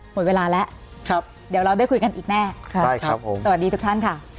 หมดเวลาแล้วเดี๋ยวเราได้คุยกันอีกแน่สวัสดีทุกท่านค่ะ